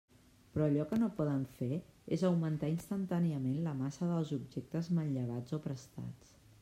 Però allò que no poden fer és augmentar instantàniament la massa dels objectes manllevats o prestats.